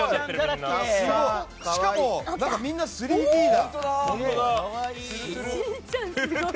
しかも、みんな３Ｄだ。